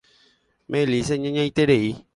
Melissa iñañaiterei.